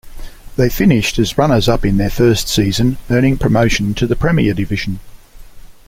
They finished as runners-up in their first season, earning promotion to the Premier Division.